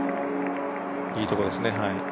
いいとこですね。